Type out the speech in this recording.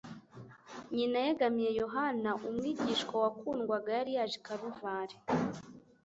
Nyina yegamiye Yohana umwigishwa wakundwaga yari yaje i Kaluvari